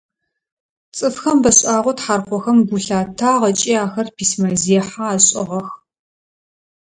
Цӏыфхэм бэшӏагъэу тхьаркъохэм гу лъатагъ ыкӏи ахэр письмэзехьэ ашӏыгъэх.